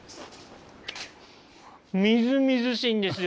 みずみずしいんですよ。